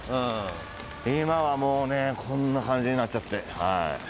今はもうねこんな感じになっちゃって。